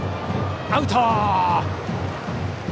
アウト！